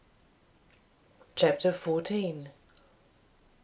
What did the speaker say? CHAPTER FOURTEEN.